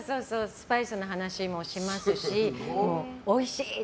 スパイスの話もしますしおいしい！